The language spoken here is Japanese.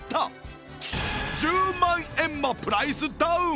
１０万円もプライスダウン